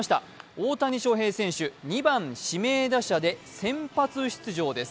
大谷翔平選手、２番・指名打者で先発出場です。